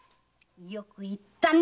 よく言ったね。